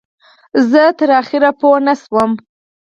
زه تر اخره پوی نشوم.